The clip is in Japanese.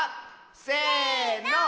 せの。